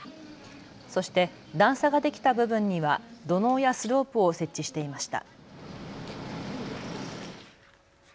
そして段差ができた部分には土のうやスロープを設置していました。